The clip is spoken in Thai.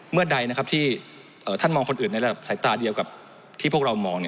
เมื่อใดที่ท่านมองคนอื่นในระดับสายตาเดียวกับที่พวกเรามอง